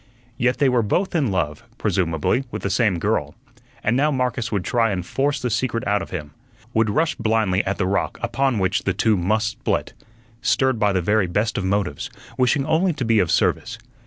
Yet they were both in love, presumably, with the same girl, and now Marcus would try and force the secret out of him; would rush blindly at the rock upon which the two must split, stirred by the very best of motives, wishing only to be of service.